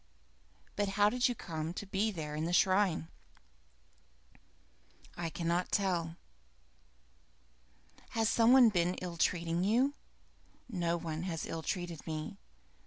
But, how did you come to be there by the shrine?" "I cannot tell." "Has some one been ill treating you?" "No one has ill treated me.